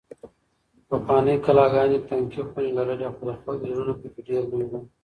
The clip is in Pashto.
پخوانۍ کلاګانې تنګې خونې لرلې خو د خلکو زړونه پکې ډېر لوی وو.